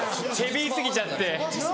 ヘビー過ぎちゃって。